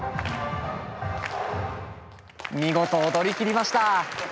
見事踊りきりました。